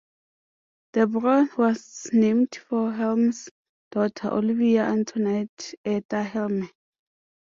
The borough was named for Helme's daughter, Olivia Antoinette "Etta" Helme.